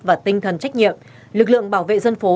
và tinh thần trách nhiệm lực lượng bảo vệ dân phố